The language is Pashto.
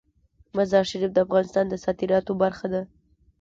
مزارشریف د افغانستان د صادراتو برخه ده.